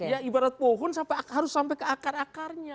ya ibarat pohon harus sampai ke akar akarnya